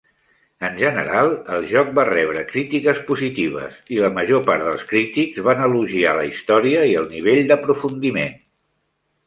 En general, el joc va rebre crítiques positives i la major part dels crítics van elogiar la història i el nivell d'aprofundiment.